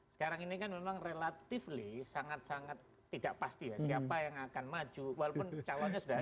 sekarang ini kan memang relatively sangat sangat tidak pasti ya siapa yang akan maju walaupun calonnya sudah maju